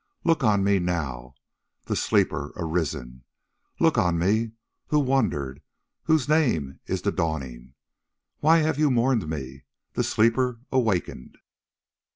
Look on me now, the sleeper arisen; Look on me, who wandered, whose name is the Dawning! Why have ye mourned me, the sleeper awakened?"